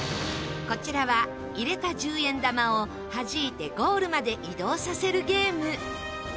こちらは入れた１０円玉を弾いてゴールまで移動させるゲーム。